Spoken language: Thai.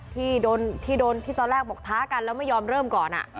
ที่โดนที่ตอนแรกบอกท้ากันแล้วไม่ยอมเริ่มก่อน